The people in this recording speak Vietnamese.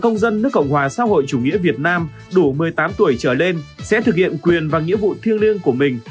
người chủ nghĩa việt nam đủ một mươi tám tuổi trở lên sẽ thực hiện quyền và nghĩa vụ thiêng liêng của mình